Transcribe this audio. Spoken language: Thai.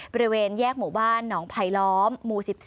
บริเวณแยกหมู่บ้านหนองไผลล้อมหมู่๑๔